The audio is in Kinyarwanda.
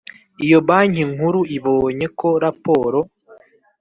Iyo Banki Nkuru ibonye ko raporo